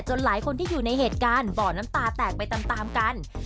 หลายคนที่อยู่ในเหตุการณ์บ่อน้ำตาแตกไปตามกัน